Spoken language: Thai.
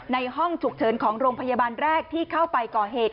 ในห้องฉุกเฉินของโรงพยาบาลแรกที่เข้าไปก่อเหตุ